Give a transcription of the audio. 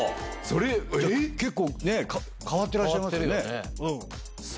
結構変わってらっしゃいますよね。